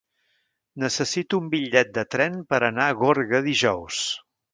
Necessito un bitllet de tren per anar a Gorga dijous.